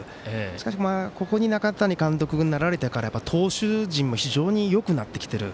しかし、中谷監督がなられてから投手陣も非常によくなってきている。